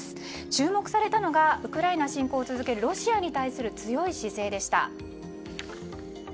注目されたのがウクライナ侵攻を続けるロシアに対する強い姿勢でした。